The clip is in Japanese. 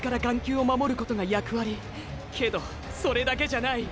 けどそれだけじゃない。